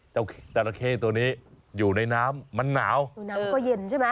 จราเข้ตัวนี้อยู่ในน้ำมันหนาวน้ำมันก็เย็นใช่ไหม